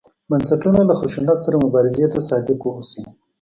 بنسټونه له خشونت سره مبارزې ته صادق واوسي.